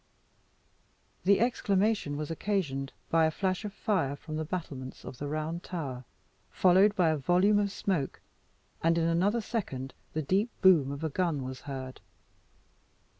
The exclamation was occasioned by a flash of fire from the battlements of the Round Tower, followed by a volume of smoke, and in another second the deep boom of a gun was heard.